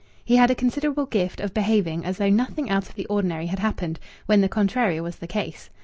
He had a considerable gift of behaving as though nothing out of the ordinary had happened when the contrary was the case.